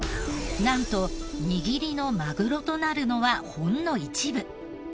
なんと握りのマグロとなるのはほんの一部。